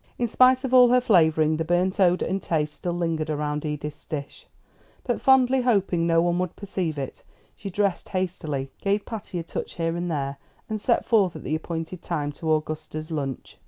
In spite of all her flavoring, the burnt odor and taste still lingered round Edith's dish; but fondly hoping no one would perceive it, she dressed hastily, gave Patty a touch here and there, and set forth at the appointed time to Augusta's lunch.